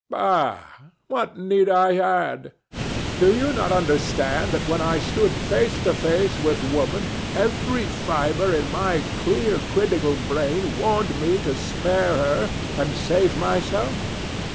DON JUAN. Bah! what need I add? Do you not understand that when I stood face to face with Woman, every fibre in my clear critical brain warned me to spare her and save myself.